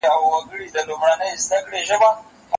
د قصاب نوي سلوک لره حیران وه